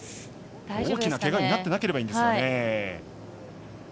大きなけがになっていなければいいですがね。